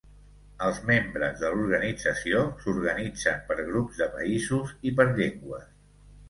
Els membres de l'organització s'organitzen per grups de països i per llengües.